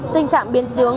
tình trạng biến xướng